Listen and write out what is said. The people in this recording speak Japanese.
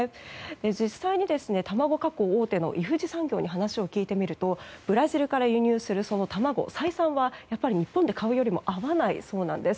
実際に卵加工大手のイフジ産業に話を聞いてみるとブラジルから輸入する卵採算は日本で買うよりも合わないそうなんです。